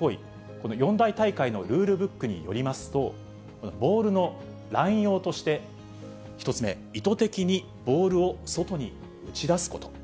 この四大大会のルールブックによりますと、ボールの乱用として、１つ目、意図的にボールを外に打ち出すこと。